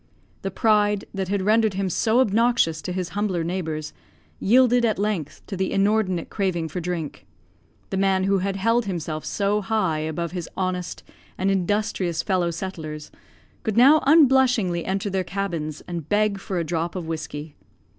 The pride, that had rendered him so obnoxious to his humbler neighbours, yielded at length to the inordinate craving for drink; the man who had held himself so high above his honest and industrious fellow settlers, could now unblushingly enter their cabins and beg for a drop of whiskey.